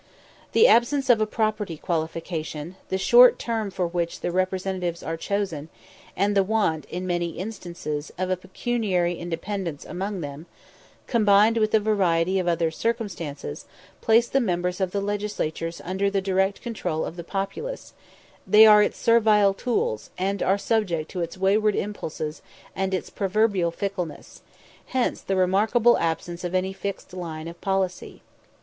The absence of a property qualification, the short term for which the representatives are chosen, and the want, in many instances, of a pecuniary independence among them, combined with a variety of other circumstances, place the members of the Legislatures under the direct control of the populace; they are its servile tools, and are subject to its wayward impulses and its proverbial fickleness; hence the remarkable absence of any fixed line of policy.